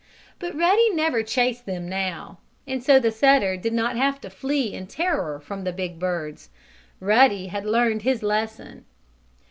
But Ruddy never chased them, now, and so the setter did not have to flee in terror from the big birds. Ruddy had learned his lesson.